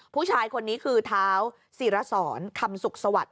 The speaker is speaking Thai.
ผู้ชายคนนี้คือเท้าศิรสรคำสุขสวัสดิ